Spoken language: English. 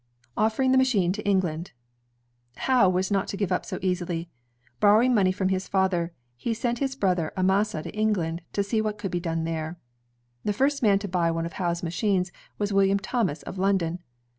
ELIAS HOWE 133 Offering the Machine to England Howe was not to give up so easily. Borrowing money from his father, he sent his brother Amasa to England, to see what could be done there. The first man to buy one of Howe's machines was William Thomas, of London.